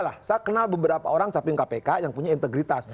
saya kenal beberapa orang samping kpk yang punya integritas